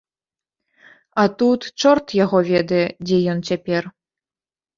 А тут чорт яго ведае, дзе ён цяпер.